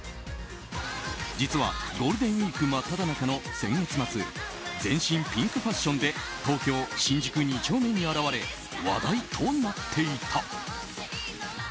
実はゴールデンウィーク真っただ中の先月末全身ピンクファッションで東京・新宿二丁目に現れ話題となっていた。